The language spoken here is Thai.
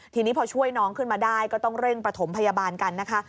ทีนี้พอช่วยน้องขึ้นมาได้ก็ต้องเร่งประถมพยาบาลกันนะคะ